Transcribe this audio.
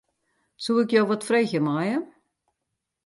Soe ik jo wat freegje meie?